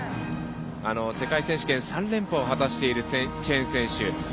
世界選手権３連覇を果たしているチェン選手。